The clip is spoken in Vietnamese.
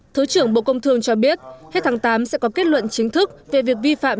thứ trưởng bộ công thương cho biết hết tháng tám sẽ có kết luận chính thức về việc vi phạm